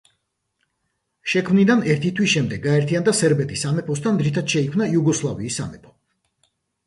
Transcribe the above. შექმნიდან ერთი თვის შემდეგ გაერთიანდა სერბეთის სამეფოსთან რითიც შეიქმნა იუგოსლავიის სამეფო.